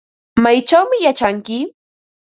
¿Maychawmi yachanki?